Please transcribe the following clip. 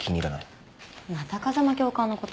また風間教官のこと？